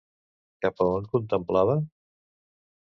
Cap a on contemplava?